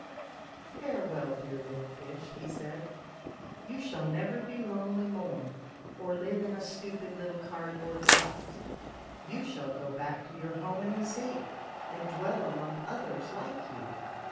" Farewell, dear little fish," he said. " You shall never be lonely more, or live in a stupid little card board box ; you shall go back to your home in the sea, and dwell among others like you.